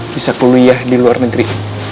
bisa kuliah di luar negeri